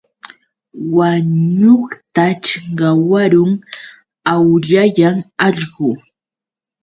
Wañuqtaćh qawarun, awllayan allqu.